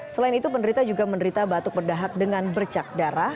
selain itu penderita juga menderita batuk berdahhat dengan bercak darah